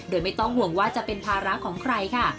โดยไม่ต้องห่วงว่าจะเป็นภาระของใครค่ะ